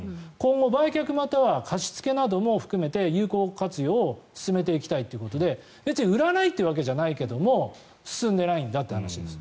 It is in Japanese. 今後、売却または貸し付けなども含めて有効活用を進めていきたいということで別に売らないというわけじゃないんだけど進んでいないんだという話です。